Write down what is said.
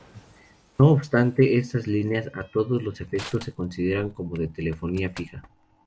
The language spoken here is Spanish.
No obstante, estas líneas a todos los efectos se consideran como de telefonía fija.